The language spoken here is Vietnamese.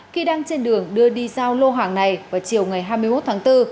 khi đang trên đường đưa đi giao lô hàng này vào chiều ngày hai mươi một tháng bốn